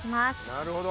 なるほど。